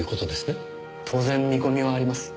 当然見込みはあります。